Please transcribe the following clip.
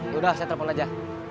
sudah saya telepon aja